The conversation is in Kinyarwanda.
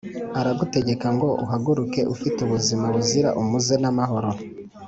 ” Aragutegeka ngo uhaguruke ufite ubuzima buzira umuze n’amahoro.